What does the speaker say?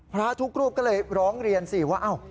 พระทุกรูปก็เลยร้องเรียนสิว่า